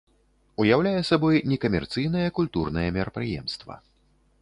Уяўляе сабой некамерцыйнае культурнае мерапрыемства.